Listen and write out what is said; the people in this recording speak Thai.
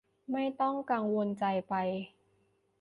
ไม่ต้องกังวลใจไป